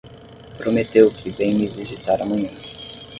Prometeu que vem me visitar amanhã.